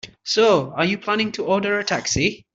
So, are you planning to order a taxi?